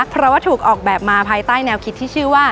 เพราะว่าถูกออกแบบมาภายใต้แนวคิดที่ชื่อว่า